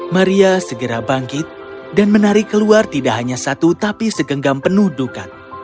maria segera bangkit dan menari keluar tidak hanya satu tapi segenggam penuh dukat